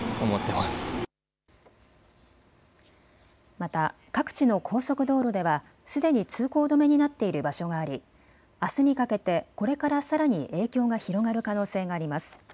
また各地の高速道路ではすでに通行止めになっている場所がありあすにかけてこれからさらに影響が広がる可能性があります。